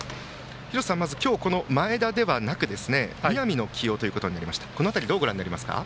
廣瀬さん、まず前田ではなく南の起用となりましたがこの辺りどうご覧になりますか？